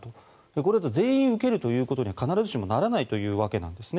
これだと全員受けるということには必ずしもならないということなんですね。